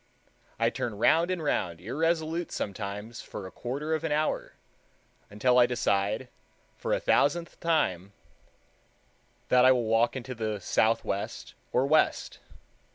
I turn round and round irresolute sometimes for a quarter of an hour, until I decide, for a thousandth time, that I will walk into the southwest or west.